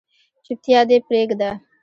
چوپتیا دې پریږده